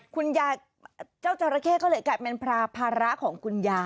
คุณยายเจ้าจราเข้ก็เลยกลายเป็นภาระของคุณยาย